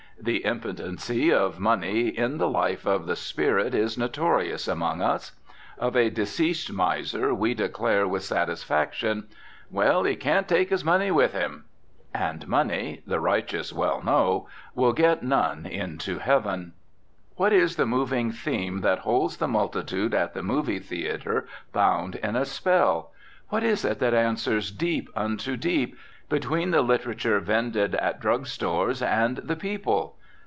The impotency of money in the life of the spirit is notorious among us. Of a deceased miser we declare with satisfaction: "Well, he can't take his money with him." And money the righteous well know will get none into heaven. What is the moving theme that holds the multitude at the movie theatre bound in a spell? What is it that answers deep unto deep between the literature vended at drug stores and the people?